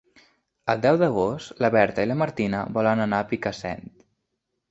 El deu d'agost na Berta i na Martina volen anar a Picassent.